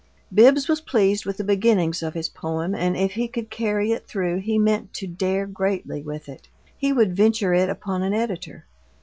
Bibbs was pleased with the beginnings of his poem, and if he could carry it through he meant to dare greatly with it he would venture it upon an editor.